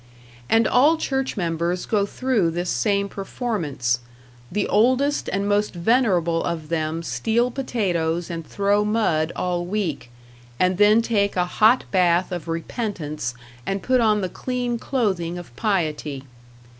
And all church members go through this same performance; the oldest and most venerable of them steal potatoes and throw mud all week and then take a hot bath of repentance and put on the clean clothing of piety.